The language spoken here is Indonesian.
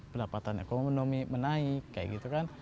pendapatan ekonomi menaik kayak gitu kan